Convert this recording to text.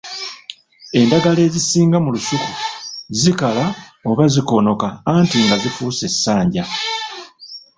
Endagala ezisinga mu lusuku zikala oba zikoonoka anti nga zifuuse essanja.